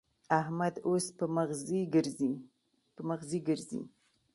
احمد اوس په مغزي ګرزي.